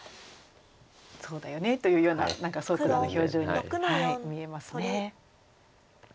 「そうだよね」というような何か蘇九段の表情に見えますね。